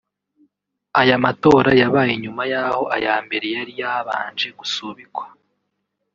Aya matora yabaye nyuma y’aho aya mbere yari yabanje gusubikwa